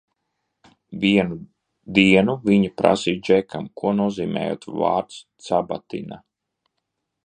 "Vienu dienu viņa prasīja Džekam, ko nozīmējot vārds "cabatina"?"